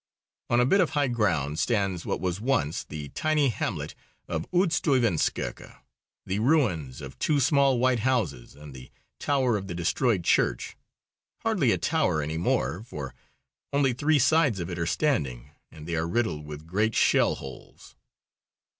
On a bit of high ground stands what was once the tiny hamlet of Oudstuyvenskerke the ruins of two small white houses and the tower of the destroyed church hardly a tower any more, for only three sides of it are standing and they are riddled with great shell holes.